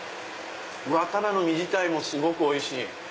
タラの身自体もすごくおいしい！